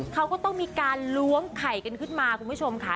เขาก็ต้องมีการล้วงไข่กันขึ้นมาคุณผู้ชมค่ะ